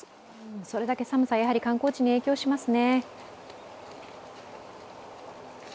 それだけ寒さ、観光地に影響しますね。